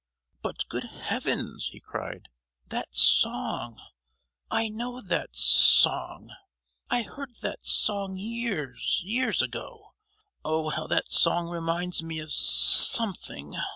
"But, good heavens," he cried, "that song! I know that s—song. I heard that song years—years ago! Oh! how that song reminds me of so—omething.